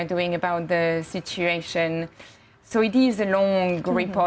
dan apa yang mereka lakukan mengenai situasi itu